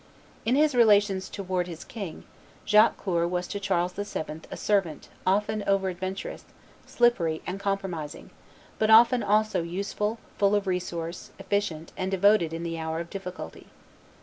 In his relations towards his king, Jacques Coeur was to Charles VII. a servant often over adventurous, slippery, and compromising, but often also useful, full of resource, efficient, and devoted in the hour of difficulty.